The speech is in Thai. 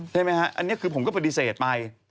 เข้าใจไหมครับอันนี้คือผมก็ปฏิเสธไป